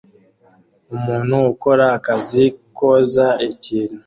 Umuntu ukora akazi koza ikintu